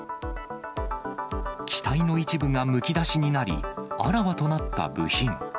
機体の一部がむき出しになり、あらわとなった部品。